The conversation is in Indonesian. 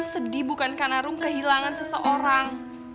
rum sedih bukan karena rum kehilangan seseorang